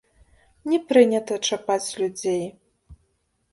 Не прынята чапаць людзей!